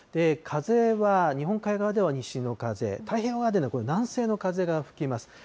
風は、日本海側では西の風、太平洋側では、南西の風が吹きます。